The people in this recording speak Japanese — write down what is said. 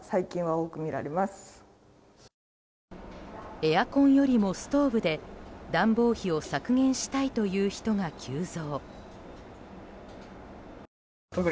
エアコンよりもストーブで暖房費を削減したいという人が急増。